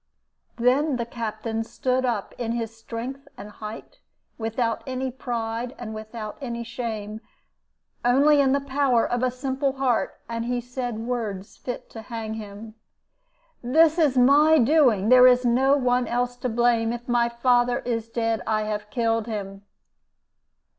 "Then the Captain stood up in his strength and height, without any pride and without any shame, only in the power of a simple heart, and he said words fit to hang him: "'This is my doing! There is no one else to blame. If my father is dead, I have killed him!'